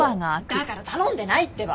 だから頼んでないってば。